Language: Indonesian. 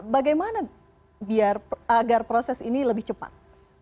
bagaimana agar proses ini lebih cepat